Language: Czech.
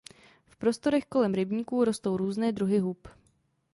V porostech kolem rybníků rostou různé druhy hub.